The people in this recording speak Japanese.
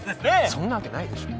そんなわけないでしょ。